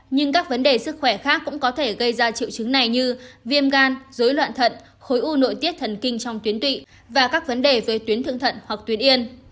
nhưng các vấn đề sức khỏe khác cũng có thể gây ra triệu chứng này như viêm gan dối loạn thận khối u nội tiết thần kinh trong tuyến tụy và các vấn đề với tuyến thượng thận hoặc tuyến yên